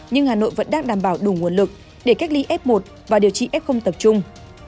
nhưng hà nội vẫn đang đảm bảo đủ nguồn lực để cách ly f một và điều trị f tập trung